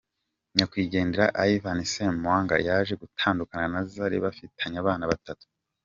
Nyakwigendera Ivan Ssemwanga yaje gutandukana na Zari bafitanye abana batatu.